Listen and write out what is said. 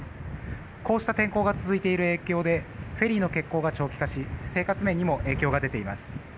こうした天候が続いている影響でフェリーの欠航が長期化し生活面にも影響が出ています。